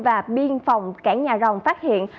và biên phòng cảng nhà rồng phát hiện